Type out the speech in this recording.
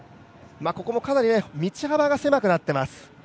ここもかなり道幅が狭くなっています。